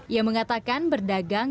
ia mengatakan berdagang